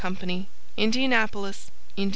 INDIANAPOLIS, IND.